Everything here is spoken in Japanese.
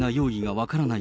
分からない。